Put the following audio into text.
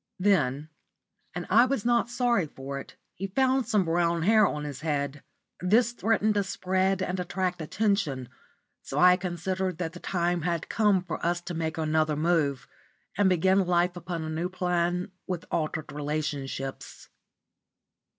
Then (and I was not sorry for it) he found some brown hair on his head. This threatened to spread and attract attention, so I considered that the time had come for us to make another move, and begin life upon a new plan with altered relationships.